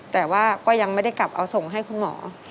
แต่ว่าก็ยังไม่ได้กลับเอาส่งให้คุณหมอ